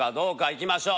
いきましょう。